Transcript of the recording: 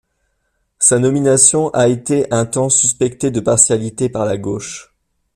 Sa nomination a été un temps suspectée de partialité par la gauche.